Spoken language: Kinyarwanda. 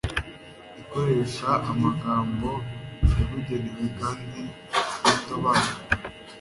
ikoresha amagambo yabugenewe kandi y'indobanure